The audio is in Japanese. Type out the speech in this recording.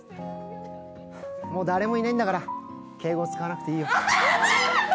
もう誰もいないんだから、敬語使わなくていいよ。